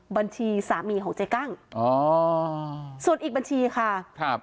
บัญชีสามีของเจ๊กั้งอ๋อส่วนอีกบัญชีค่ะครับ